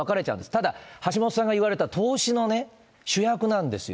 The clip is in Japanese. ただ、橋下さんが言われた投資のね、主役なんですよ。